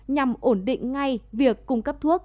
nhằm ổn định ngay việc cung cấp thuốc